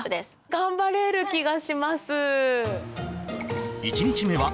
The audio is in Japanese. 頑張れる気がします